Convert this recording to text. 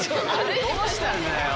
どうしたんだよ。